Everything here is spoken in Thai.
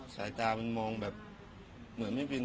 สายตามันมองแบบ